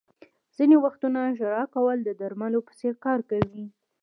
• ځینې وختونه ژړا کول د درملو په څېر کار کوي.